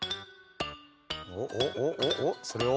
おっおっおっおっそれを。